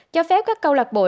cho phép các câu lạc bộ